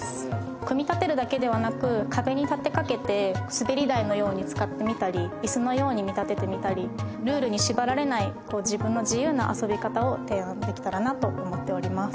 組み立てるだけではなく壁に立て掛けて滑り台のように使ってみたり椅子のように見立ててみたりルールに縛られない自分の自由な遊び方を提案できたらなと思っております。